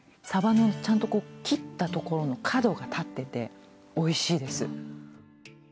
サバのちゃんと切ったところの角が立ってておいしいです。